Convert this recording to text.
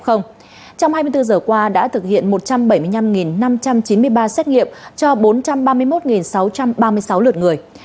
trong hai mươi bốn giờ qua đã thực hiện một trăm bảy mươi năm năm trăm chín mươi ba xét nghiệm cho bốn trăm ba mươi một sáu trăm ba mươi sáu lượt người